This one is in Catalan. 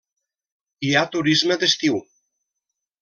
Hi ha turisme d'estiu.